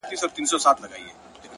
پوهه د ذهن افق روښانوي!